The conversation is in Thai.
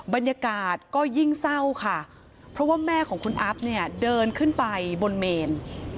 บรรยากาศก็ยิ่งเศร้าค่ะเพราะว่าแม่ของคุณอัพเนี่ยเดินขึ้นไปบนเมน